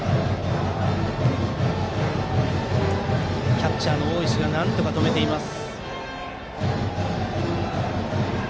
キャッチャーの大石がなんとか止めています。